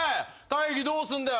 会議どうすんだよ。